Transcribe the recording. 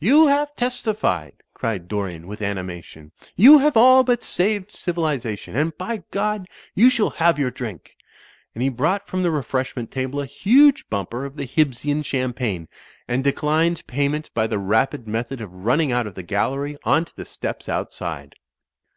"You have testified," cried Dorian with animation. "You have all but saved civilization. And by Grod, you shall have your drink." And he brought from the refreshment table a huge bumper of the Hibbsian champagne, and declined pay ment by the rapid method of rtmning out of the gal lery on to the steps outside.